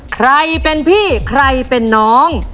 ใครเป็นพี่ใครเป็นน้อง